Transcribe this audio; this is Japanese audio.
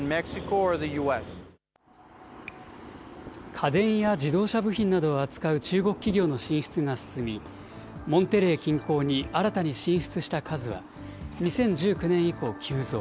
家電や自動車部品などを扱う中国企業の進出が進み、モンテレイ近郊に新たに進出した数は、２０１９年以降、急増。